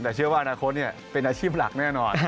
แต่เชื่อว่าอาละคนเนี่ยเป็นอาชีพหลักแน่นอน